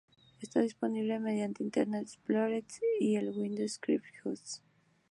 Está disponible mediante Internet Explorer y el Windows Scripting Host.